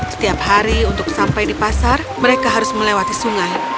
setiap hari untuk sampai di pasar mereka harus melewati sungai